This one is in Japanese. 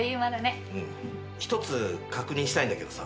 １つ確認したいんだけどさ。